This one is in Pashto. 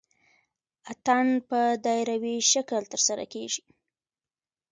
اتن په دایروي شکل ترسره کیږي.